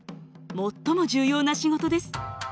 最も重要な仕事です。